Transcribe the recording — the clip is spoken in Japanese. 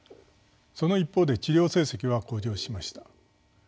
その一方で治療成績は向上しました。